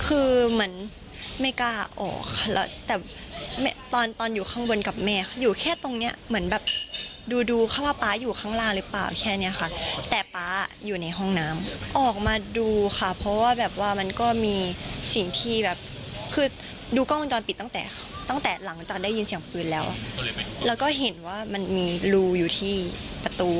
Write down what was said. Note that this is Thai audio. คือเหมือนไม่กล้าออกค่ะแล้วแต่ตอนตอนอยู่ข้างบนกับแม่อยู่แค่ตรงเนี้ยเหมือนแบบดูดูค่ะว่าป๊าอยู่ข้างล่างหรือเปล่าแค่เนี้ยค่ะแต่ป๊าอยู่ในห้องน้ำออกมาดูค่ะเพราะว่าแบบว่ามันก็มีสิ่งที่แบบคือดูกล้องวงจรปิดตั้งแต่ตั้งแต่หลังจากได้ยินเสียงปืนแล้วแล้วก็เห็นว่ามันมีรูอยู่ที่ประตู